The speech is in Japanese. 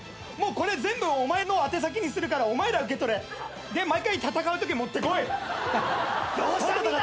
もうこれ全部お前の宛先にするからお前ら受け取れ。で毎回戦うとき持ってこい。